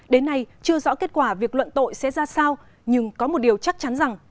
đến nay chưa rõ kết quả việc luận tội sẽ ra sao nhưng có một điều chắc chắn rằng